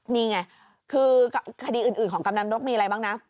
นี่ไงคือคดีอื่นของกำนันนกมีอะไรบ้างนะ